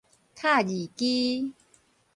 敲字機